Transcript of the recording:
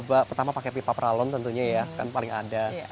pertama pakai pipa peralon tentunya ya kan paling ada